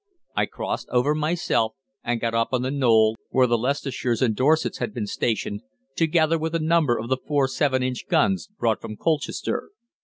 I crossed over myself, and got up on the knoll where the Leicestershires and Dorsets had been stationed, together with a number of the 4·7 inch guns brought from Colchester.